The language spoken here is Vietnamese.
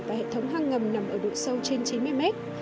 và hệ thống hang ngầm nằm ở độ sâu trên chín mươi mét